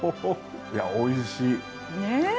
いやおいしい。ねぇ。